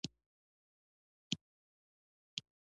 دوی مې انتقالول او شاوخوا زموږ عسکر ولاړ وو